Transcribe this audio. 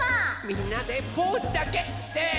みんなでポーズだけせの。